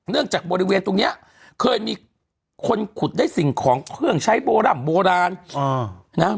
จากบริเวณตรงนี้เคยมีคนขุดได้สิ่งของเครื่องใช้โบร่ำโบราณนะ